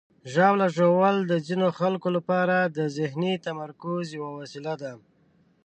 ژاوله ژوول د ځینو خلکو لپاره د ذهني تمرکز یوه وسیله ده.